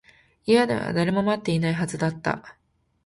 家では誰も待っていないはずだった